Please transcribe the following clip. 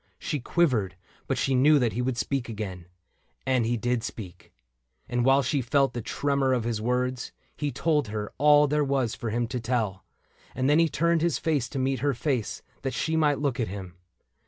She quivered, but she knew that he would speak Again — and he did speak. And while she felt the tremor of his words, He told her all there was for him to tell ; And then he turned his face to meet her face, That she might look at him.